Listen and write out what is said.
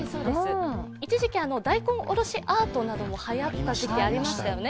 一時期、大根おろしアートなどもはやったことがありましたよね。